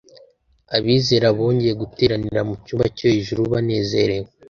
Abizera bongeye guteranira mu cyumba cyo hejuru banezerewe.